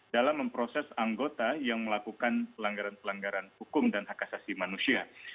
dalam memproses anggota yang melakukan pelanggaran pelanggaran hukum dan hak asasi manusia